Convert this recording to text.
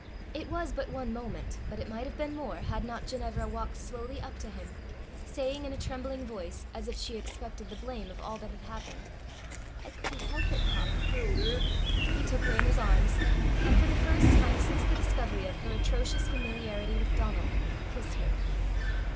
It was but one moment, but it might have been more, had not Ginevra walked slowly up to him, saying in a trembling voice, as if she expected the blame of all that had happened, "I couldn't help it, papa." He took her in his arms, and, for the first time since the discovery of her atrocious familiarity with Donal, kissed her.